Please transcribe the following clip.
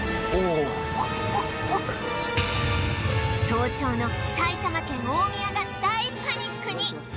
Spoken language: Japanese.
早朝の埼玉県大宮が大パニックに！